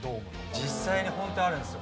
実際にホントあるんですよ